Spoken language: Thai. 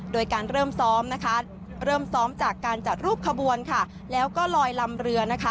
โดยการเริ่มซ้อมจากการจัดรูปขบวนแล้วก็ลอยลำเรือ